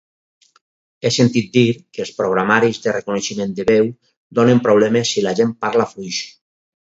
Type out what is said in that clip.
He sentit dir que els programaris de reconeixement de veu donen problemes si la gent parla fluix.